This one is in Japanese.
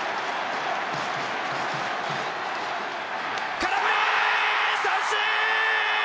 空振り三振！